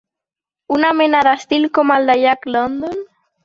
Una mena d'estil com el de Jack London?